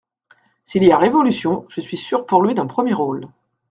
S'il y a révolution, je suis sûre pour lui d'un premier rôle.